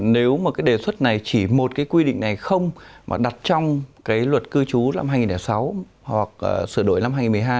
nếu mà cái đề xuất này chỉ một cái quy định này không mà đặt trong cái luật cư chú năm hai nghìn sáu hoặc sửa đổi năm hai nghìn một mươi hai hai nghìn một mươi ba